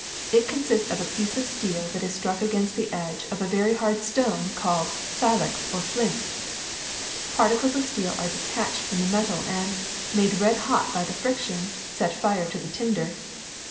It consists of a piece of steel that is struck against the edge of a very hard stone called silex or flint. Particles of steel are detached from the metal and, made red hot by the friction, set fire to the tinder.